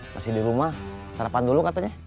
masih di rumah sarapan dulu katanya